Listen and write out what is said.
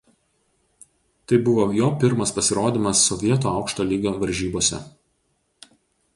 Tai buvo jo pirmas pasirodymas Sovietų aukšto lygio varžybose.